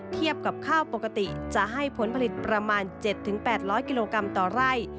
เทียบกับข้าวปกติจะให้ผลผลิตประมาณ๗๘๐๐กิโลกรัมต่อไร่